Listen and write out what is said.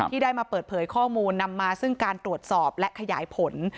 ที่ได้มาเปิดเผยข้อมูลนำมาซึ่งการตรวจสอบและขยายผล